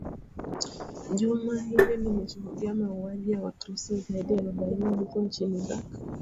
jumaa hili limeshuhudiwa mauwaji ya wakristo zaidi ya arobaini huko nchini iraq